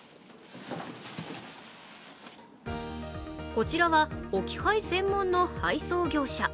こちらは置き配専門の配送業者。